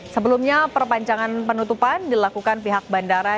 sebelumnya perpanjangan penutupan dilakukan pihak bandara